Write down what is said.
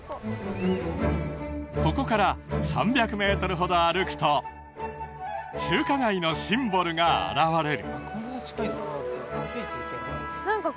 ここから３００メートルほど歩くと中華街のシンボルが現れる何か